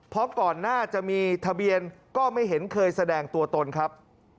เพราะก่อนหน้าจะมีทะเบียนก็ไม่เห็นเคยแสดงตัวตนครับ